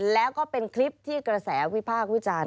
แล้วก็เป็นคลิปที่กระแสวิพากษ์วิจารณ์